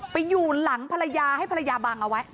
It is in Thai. ไปอยู่หลังภรรยาให้ภรรยาบังเอาไว้